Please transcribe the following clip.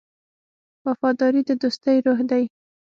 وفاداري د دوستۍ روح دی.